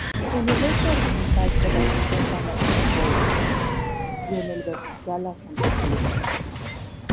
En el eje horizontal se representan las frecuencias, y en el vertical las amplitudes.